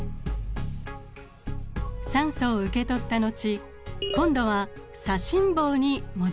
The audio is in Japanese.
酸素を受け取ったのち今度は左心房に戻ってきます。